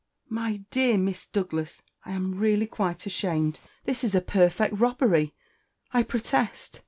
"My dear Miss Douglas! I am really quite ashamed! This is a perfect robbery, I protest!